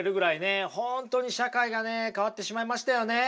本当に社会がね変わってしまいましたよね。